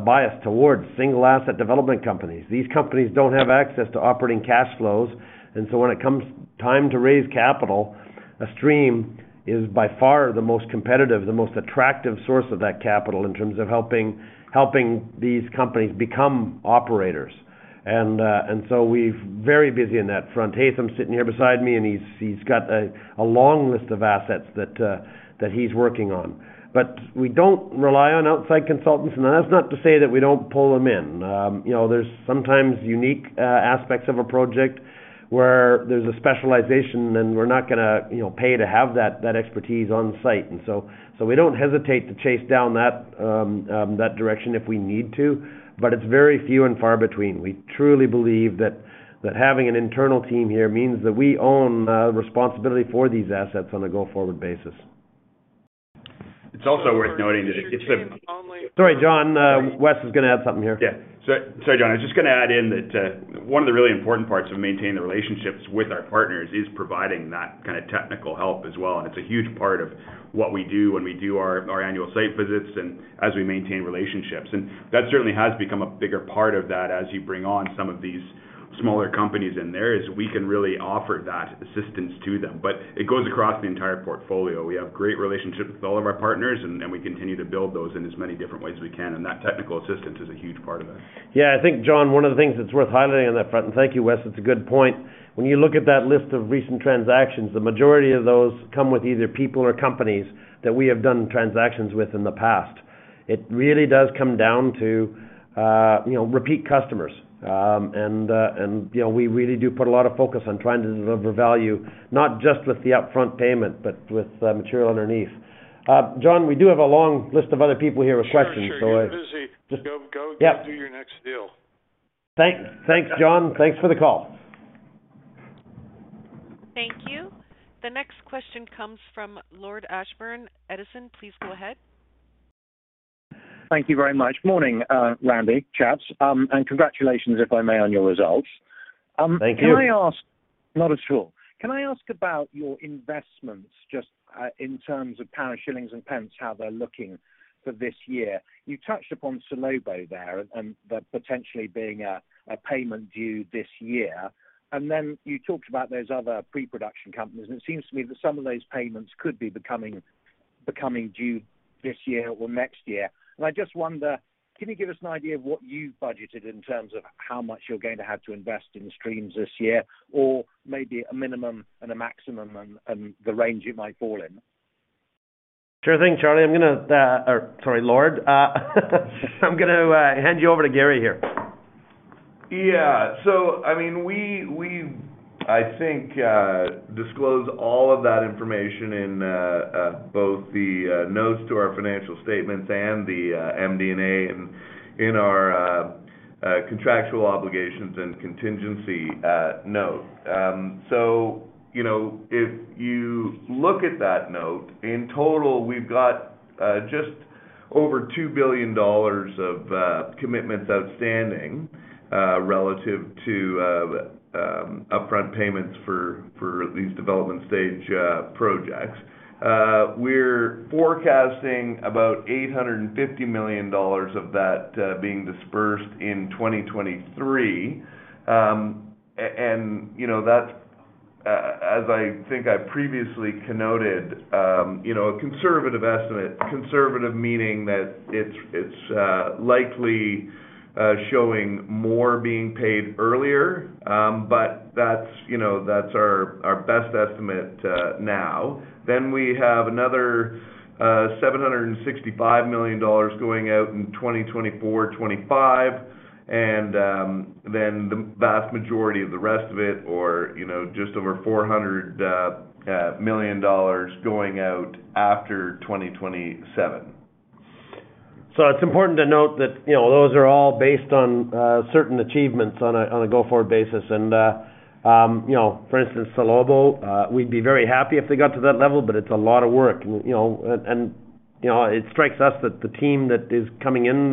bias towards single asset development companies. These companies don't have access to operating cash flows, when it comes time to raise capital, a stream is by far the most competitive, the most attractive source of that capital in terms of helping these companies become operators. We're very busy on that front. Haytham's sitting here beside me, and he's got a long list of assets that he's working on. We don't rely on outside consultants. That's not to say that we don't pull them in. You know, there's sometimes unique aspects of a project where there's a specialization, and we're not gonna, you know, pay to have that expertise on site. So we don't hesitate to chase down that direction if we need to, but it's very few and far between. We truly believe that having an internal team here means that we own responsibility for these assets on a go-forward basis. It's also worth noting that it's. online. Sorry, John, Wes is gonna add something here. Sorry, John, I was just gonna add in that one of the really important parts of maintaining the relationships with our partners is providing that kind of technical help as well, and it's a huge part of what we do when we do our annual site visits and as we maintain relationships. That certainly has become a bigger part of that as you bring on some of these smaller companies in there, is we can really offer that assistance to them. It goes across the entire portfolio. We have great relationships with all of our partners, and we continue to build those in as many different ways we can, and that technical assistance is a huge part of that. Yeah. I think, John, one of the things that's worth highlighting on that front, and thank you, Wes, it's a good point. When you look at that list of recent transactions, the majority of those come with either people or companies that we have done transactions with in the past. It really does come down to, you know, repeat customers. And, you know, we really do put a lot of focus on trying to deliver value, not just with the upfront payment, but with the material underneath. John, we do have a long list of other people here with questions. Sure, sure. You guys busy? Just- Go, go do your next deal. Thanks, John. Thanks for the call. Thank you. The next question comes from Lord Ashbourne, Edison. Please go ahead. Thank you very much. Morning, Randy, chaps, and congratulations, if I may, on your results. Thank you. Not at all. Can I ask about your investments just in terms of pounds, shillings and pence, how they're looking for this year? You touched upon Salobo there, and there potentially being a payment due this year. Then you talked about those other pre-production companies, and it seems to me that some of those payments could be becoming due this year or next year. I just wonder, can you give us an idea of what you're going to have to invest in streams this year or maybe a minimum and a maximum and the range it might fall in? Sure thing, Charlie. I'm gonna, or sorry, Lord. I'm gonna, hand you over to Gary here. Yeah. I mean, we, I think, disclose all of that information in both the notes to our financial statements and the MD&A and in our contractual obligations and contingency note. You know, if you look at that note, in total, we've got just over $2 billion of commitments outstanding relative to upfront payments for these development stage projects. We're forecasting about $850 million of that being dispersed in 2023. And, you know, that's as I think I previously connoted, you know, a conservative estimate. Conservative meaning that it's likely showing more being paid earlier. But that's, you know, that's our best estimate now. We have another $765 million going out in 2024, 25, and, then the vast majority of the rest of it or, you know, just over $400 million going out after 2027. It's important to note that, you know, those are all based on certain achievements on a go-forward basis. You know, for instance, Salobo, we'd be very happy if they got to that level, but it's a lot of work, you know. You know, it strikes us that the team that is coming in,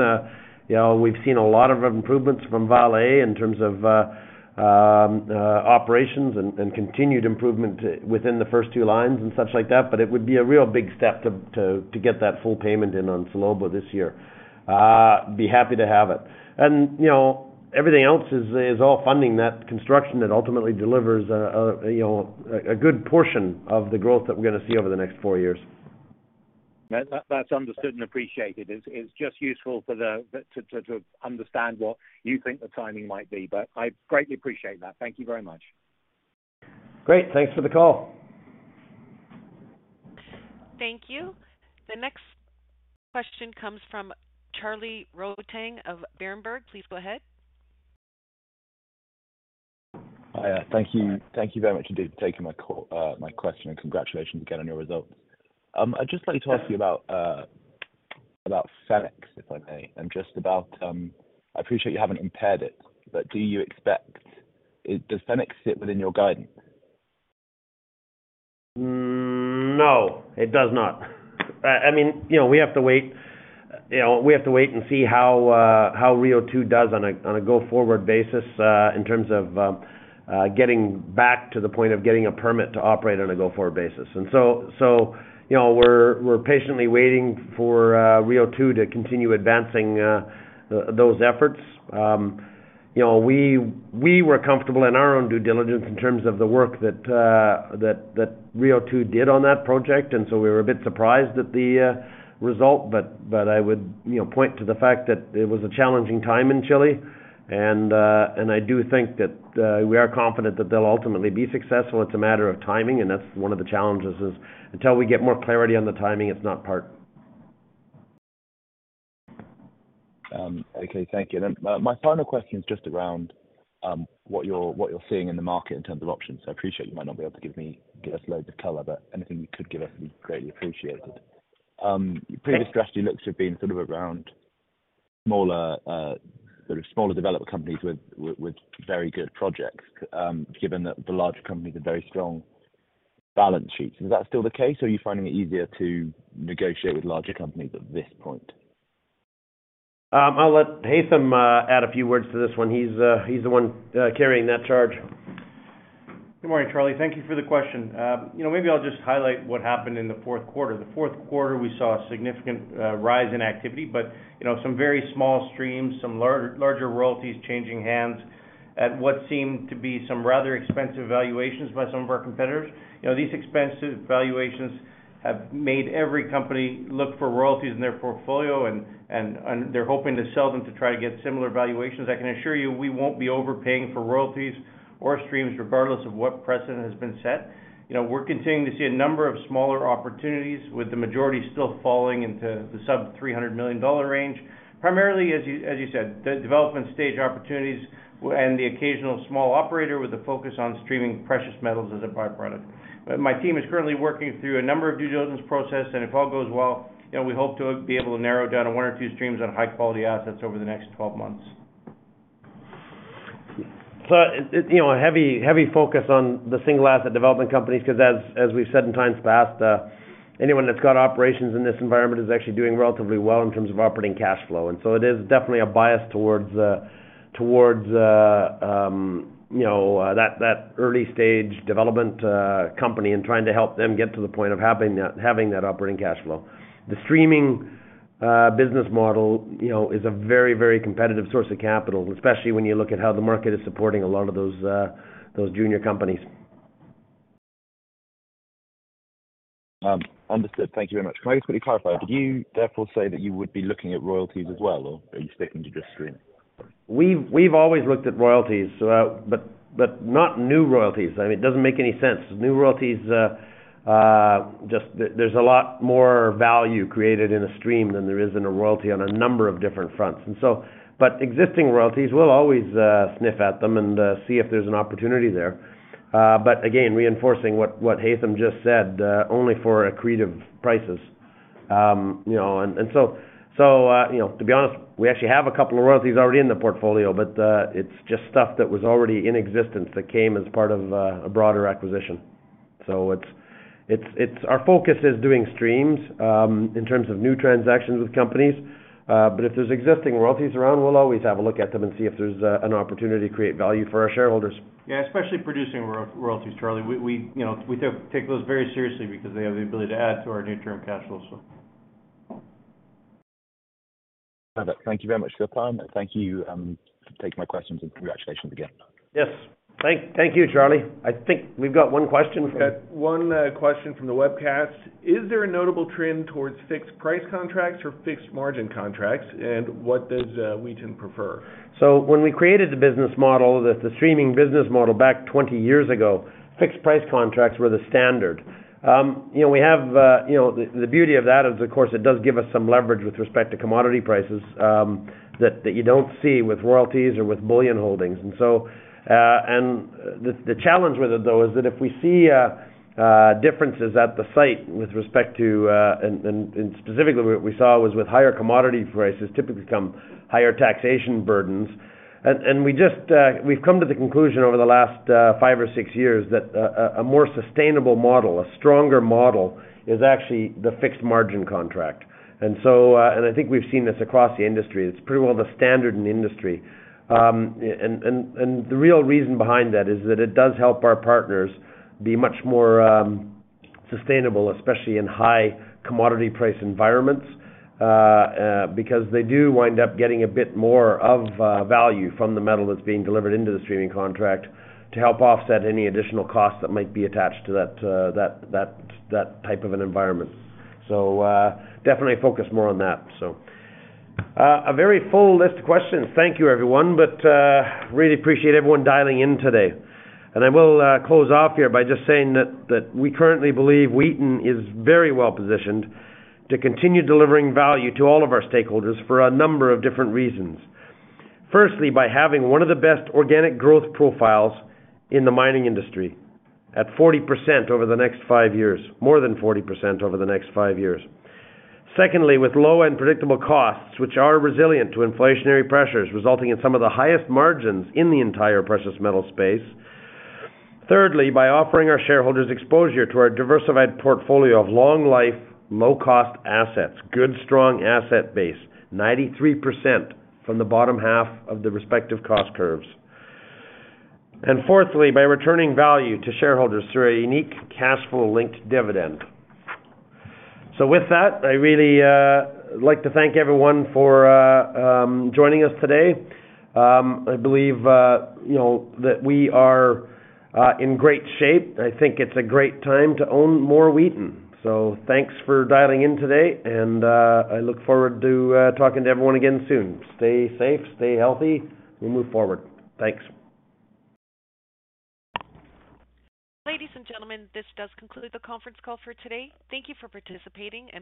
you know, we've seen a lot of improvements from Vale in terms of operations and continued improvement within the first two lines and such like that. It would be a real big step to get that full payment in on Salobo this year. Be happy to have it. You know, everything else is all funding that construction that ultimately delivers, you know, a good portion of the growth that we're gonna see over the next four years. That's understood and appreciated. It's just useful to understand what you think the timing might be, but I greatly appreciate that. Thank you very much. Great. Thanks for the call. Thank you. The next question comes from Charlie Rothbarth of Berenberg. Please go ahead. Hi. Thank you. Thank you very much indeed for taking my question. Congratulations again on your results. I'd just like to ask you about Fenix, if I may, and just about, I appreciate you haven't impaired it. Does Fenix sit within your guidance? No, it does not. I mean, you know, we have to wait, you know, we have to wait and see how Rio2 Limited does on a go-forward basis in terms of getting back to the point of getting a permit to operate on a go-forward basis. You know, we're patiently waiting for Rio2 Limited to continue advancing those efforts. You know, we were comfortable in our own due diligence in terms of the work that Rio2 Limited did on that project, and so we were a bit surprised at the result. I would, you know, point to the fact that it was a challenging time in Chile. I do think that we are confident that they'll ultimately be successful. It's a matter of timing, and that's one of the challenges is, until we get more clarity on the timing, it's not part. Okay, thank you. My final question is just around what you're seeing in the market in terms of options. I appreciate you might not be able to give us loads of color, but anything you could give us would be greatly appreciated. Yeah. Your previous strategy looks to have been sort of around smaller, sort of smaller developer companies with very good projects, given that the larger companies are very strong balance sheets. Is that still the case, or are you finding it easier to negotiate with larger companies at this point? I'll let Haytham add a few words to this one. He's the one carrying that charge. Good morning, Charlie. Thank you for the question. You know, maybe I'll just highlight what happened in the fourth quarter. The fourth quarter, we saw a significant rise in activity, you know, some very small streams, some larger royalties changing hands at what seemed to be some rather expensive valuations by some of our competitors. You know, these expensive valuations have made every company look for royalties in their portfolio, and they're hoping to sell them to try to get similar valuations. I can assure you we won't be overpaying for royalties or streams regardless of what precedent has been set. You know, we're continuing to see a number of smaller opportunities, with the majority still falling into the sub-$300 million range. Primarily, as you said, the development stage opportunities and the occasional small operator with a focus on streaming precious metals as a byproduct. My team is currently working through a number of due diligence process, if all goes well, you know, we hope to be able to narrow down one or two streams on high-quality assets over the next 12 months. You know, a heavy focus on the single asset development companies, 'cause as we've said in times past, anyone that's got operations in this environment is actually doing relatively well in terms of operating cash flow. It is definitely a bias towards, you know, that early-stage development company and trying to help them get to the point of having that operating cash flow. The streaming business model, you know, is a very, very competitive source of capital, especially when you look at how the market is supporting a lot of those junior companies. Understood. Thank you very much. Can I just quickly clarify? Would you therefore say that you would be looking at royalties as well, or are you sticking to just streaming? We've always looked at royalties, but not new royalties. I mean, it doesn't make any sense. New royalties, there's a lot more value created in a stream than there is in a royalty on a number of different fronts. Existing royalties, we'll always sniff at them and see if there's an opportunity there. Again, reinforcing what Haytham just said, only for accretive prices. You know, to be honest, we actually have a couple of royalties already in the portfolio, but it's just stuff that was already in existence that came as part of a broader acquisition. Our focus is doing streams in terms of new transactions with companies. If there's existing royalties around, we'll always have a look at them and see if there's an opportunity to create value for our shareholders. Yeah, especially producing royalties, Charlie. We, you know, we take those very seriously because they have the ability to add to our near-term cash flows, so. Thank you very much for your time. Thank you, for taking my questions and congratulations again. Yes. Thank you, Charlie. I think we've got one question. We've got one question from the webcast. Is there a notable trend towards fixed price contracts or fixed margin contracts, and what does Wheaton prefer? When we created the business model, the streaming business model back 20 years ago, fixed price contracts were the standard. You know, we have, you know, the beauty of that is, of course, it does give us some leverage with respect to commodity prices that you don't see with royalties or with bullion holdings. The challenge with it, though, is that if we see differences at the site with respect to, and specifically what we saw was with higher commodity prices typically come higher taxation burdens. We've come to the conclusion over the last 5 or 6 years that a more sustainable model, a stronger model is actually the fixed margin contract. I think we've seen this across the industry. It's pretty well the standard in the industry. The real reason behind that is that it does help our partners be much more Sustainable, especially in high commodity price environments, because they do wind up getting a bit more of value from the metal that's being delivered into the streaming contract to help offset any additional costs that might be attached to that type of an environment. Definitely focus more on that. A very full list of questions. Thank you everyone, but really appreciate everyone dialing in today. I will close off here by just saying that we currently believe Wheaton is very well-positioned to continue delivering value to all of our stakeholders for a number of different reasons. Firstly, by having one of the best organic growth profiles in the mining industry at 40% over the next five years, more than 40% over the next five years. Secondly, with low and predictable costs, which are resilient to inflationary pressures, resulting in some of the highest margins in the entire precious metals space. Thirdly, by offering our shareholders exposure to our diversified portfolio of long life, low cost assets, good strong asset base, 93% from the bottom half of the respective cost curves. Fourthly, by returning value to shareholders through a unique cash flow linked dividend. With that, I really like to thank everyone for joining us today. I believe, you know, that we are in great shape. I think it's a great time to own more Wheaton. Thanks for dialing in today, and I look forward to talking to everyone again soon. Stay safe, stay healthy. We'll move forward. Thanks. Ladies and gentlemen, this does conclude the conference call for today. Thank you for participating and bye-bye.